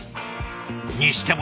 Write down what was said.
にしても